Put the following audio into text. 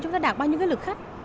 chúng ta đạt bao nhiêu lực khách